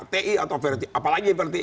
ti atau versi apalagi versi